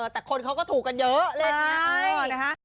แต่คนเขาก็ถูกกันเยอะเล่นอย่างนี้